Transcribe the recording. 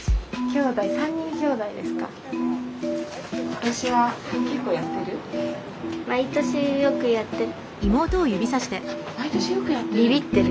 あっ毎年よくやってる。